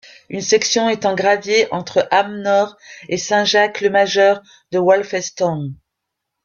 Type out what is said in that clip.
Une section est en gravier entre Ham-Nord et Saint-Jacques-le-Majeur-de-Wolfestown.